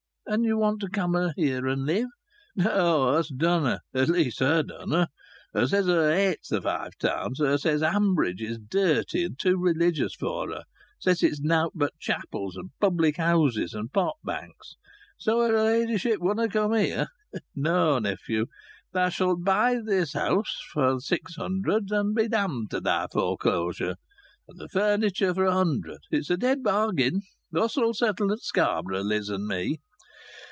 "And you want to come here and live?" "No, us dunna! At least her dunna. Her says her hates th' Five Towns. Her says Hanbridge is dirty and too religious for her. Says its nowt but chapels and public houses and pot banks. So her ladyship wunna' come here. No, nephew, thou shalt buy this house for six hundred, and be d d to thy foreclosure! And th' furniture for a hundred. It's a dead bargain. Us'll settle at Scarborough, Liz and me.